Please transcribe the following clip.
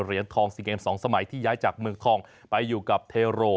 เหรียญทอง๔เกม๒สมัยที่ย้ายจากเมืองทองไปอยู่กับเทโร